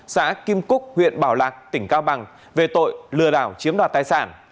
xã kim cúc huyện bảo lạc tỉnh cao bằng về tội lừa đảo chiếm đoạt tài sản